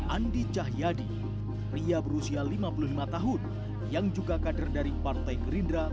andi cahyadi pria berusia lima puluh lima tahun yang juga kader dari partai gerindra